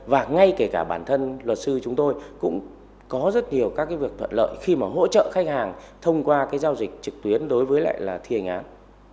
và ngay kể cả bản thân luật sư chúng tôi cũng có rất nhiều các việc thuận lợi khi mà hỗ trợ khách hàng thông qua cái giao dịch trực tuyến đối với lại là thi hành án